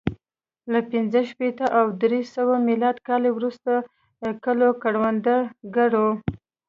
له پنځه شپېته او درې سوه میلادي کال وروسته کلو کروندګرو